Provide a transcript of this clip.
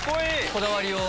こだわりを。